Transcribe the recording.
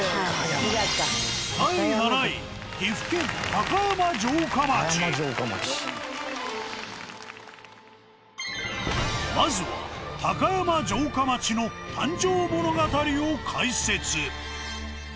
「高山城下町」まずは高山城下町の誕生物語を解説。